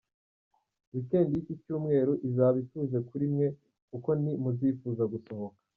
Weekend y’iki cyumweru, izaba ituje kuri mwe kuko nti muzifuza gusohoka.